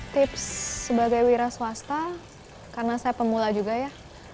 tips sebagai wira swasta karena saya pemula juga ya